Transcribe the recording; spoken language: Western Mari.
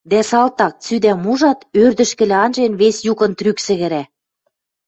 дӓ салтак цӱдӓм ужат, ӧрдӹжкӹлӓ анжен, вес юкын трӱк сӹгӹрӓ.